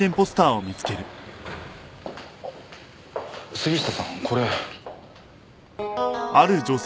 杉下さんこれ。